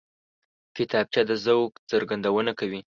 کتابچه د ذوق څرګندونه کوي